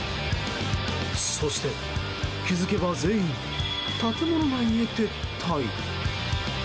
そして、気づけば全員建物内へ撤退。